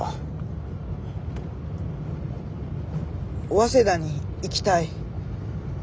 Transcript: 早稲田に行きたい。